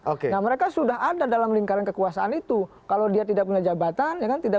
oke mereka sudah ada dalam lingkaran kekuasaan itu kalau dia tidak punya jabatan ya kan tidak